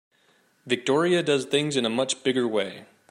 Victoria does things in a much bigger way.